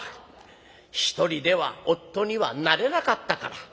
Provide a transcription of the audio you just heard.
１人では夫にはなれなかったから。